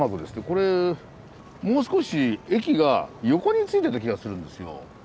これもう少し駅が横についてた気がするんですよ。